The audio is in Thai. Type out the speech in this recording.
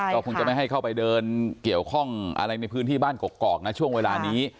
ก็คงจะไม่ให้เข้าไปเดินเกี่ยวข้องอะไรในพื้นที่บ้านกอกนะช่วงเวลานี้